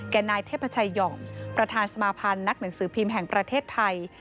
นายเทพชัยหย่อมประธานสมาพันธ์นักหนังสือพิมพ์แห่งประเทศไทย